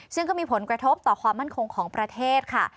ซึ่งก็มีผลกระทบต่อความมั่นคงของประเทศค่ะ